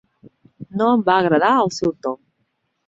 No em va agradar el seu to.